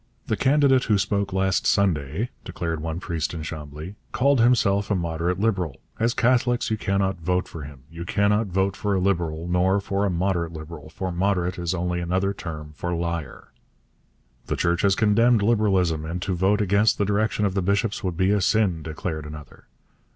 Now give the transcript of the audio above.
'The candidate who spoke last Sunday,' declared one priest in Chambly, 'called himself a moderate Liberal. As Catholics you cannot vote for him; you cannot vote for a Liberal, nor for a moderate Liberal, for moderate is only another term for liar.' 'The Church has condemned Liberalism, and to vote against the direction of the bishops would be sin,' declared another.